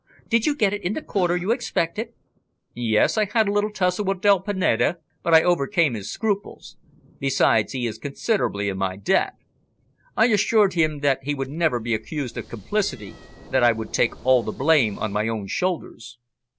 "Did you get it in the quarter you expected?" "Yes; I had a little tussle with del Pineda, but I overcame his scruples. Besides, he is considerably in my debt. I assured him that he would never be accused of complicity, that I would take all the blame on my own shoulders."